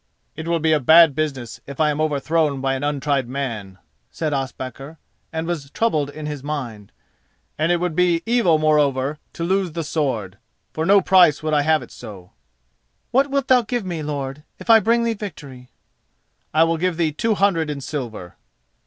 "It will be a bad business if I am overthrown by an untried man," said Ospakar, and was troubled in his mind, "and it would be evil moreover to lose the sword. For no price would I have it so." "What wilt thou give me, lord, if I bring thee victory?" "I will give thee two hundred in silver."